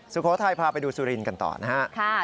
สุโขทัยพาไปดูสุรินทร์กันต่อนะครับ